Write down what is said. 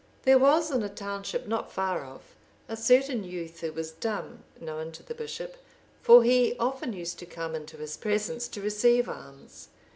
There was in a township not far off, a certain youth who was dumb, known to the bishop, for he often used to come into his presence to receive alms.